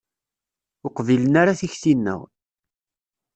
Ur qbilen ara tikti-nneɣ.